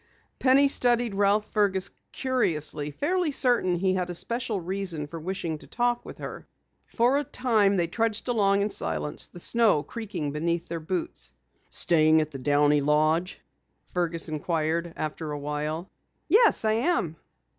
Penny studied Ralph Fergus curiously, fairly certain he had a special reason for wishing to walk with her. For a time they trudged along in silence, the snow creaking beneath their boots. "Staying at the Downey Lodge?" Fergus inquired after awhile. "Yes, I am."